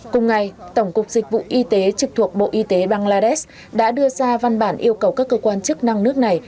cùng ngày tổng cục dịch vụ y tế trực thuộc bộ y tế bangladesh đã đưa ra văn bản yêu cầu các cơ quan chức năng nước này